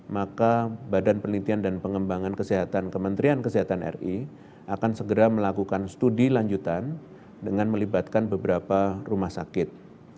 maka badan penelitian dan pengembangan kesehatan kementerian kesehatan ri akan segera melakukan studi lanjutan dengan melibatkan beberapa rumah sakit